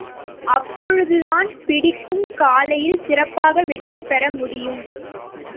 அப்பொழுதுதான், பிடிக்கும் கலையில் சிறப்பாக வெற்றிபெற முடியும்.